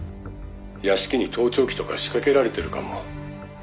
「屋敷に盗聴器とか仕掛けられてるかも」